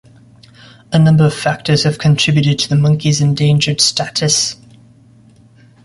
A number of factors have contributed to the monkey's endangered status.